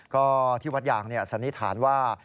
ก็ที่วัดยางสันนิษฐานว่า